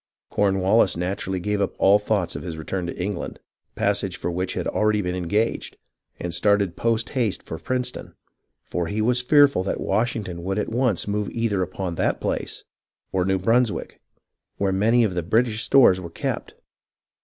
Cornwallis naturally gave up all thoughts of his return to England, passage for which had already been engaged, and started post haste for Princeton, for he was fearful that Washington would at once move either upon that place or [New] Brunswick, where many of the British stores were kept.